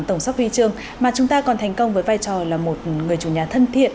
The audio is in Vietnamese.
tổng sắp huy chương mà chúng ta còn thành công với vai trò là một người chủ nhà thân thiện